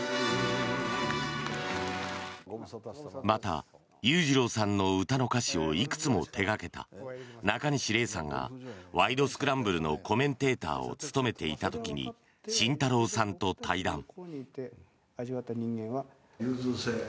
また、裕次郎さんの歌の歌詞をいくつも手掛けたなかにし礼さんが「ワイド！スクランブル」のコメンテーターを務めていた時に慎太郎さんと対談。